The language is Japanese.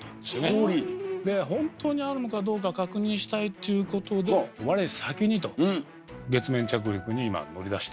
氷！でほんとにあるのかどうか確認したいっていうことで月面着陸に今乗り出して。